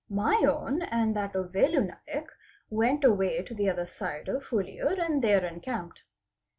My own and that of Velu Naik went away to the other side of Huliyar and there encamped.